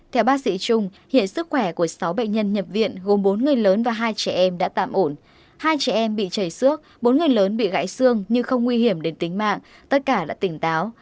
theo bác sĩ trung hiện sức khỏe của sáu bệnh nhân nhập viện gồm bốn người lớn và hai trẻ em đã tạm ổn hai trẻ em bị chảy xước bốn người lớn bị gãy xương nhưng không nguy hiểm đến tính mạng tất cả là tỉnh táo